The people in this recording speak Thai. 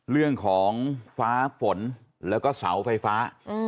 เรื่องของฟ้าฝนแล้วก็เสาไฟฟ้า